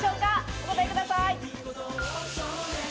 お答えください。